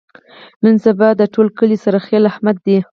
نن سبا د ټول کلي سرخیل احمد دی.